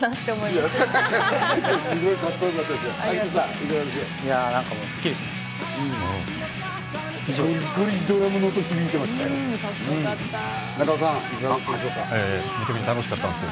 すごいカッコよかったですよ。